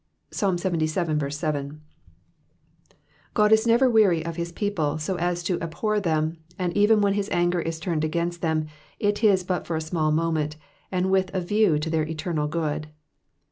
(Psalm Ixxvii. 7). God is never weary of his people so as to abhor them, and even when his anger is turned against them, it is but for a small moment, and with a view to their eternal good.